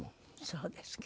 そうですか。